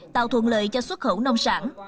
tạo thuận lợi cho xuất khẩu nông sản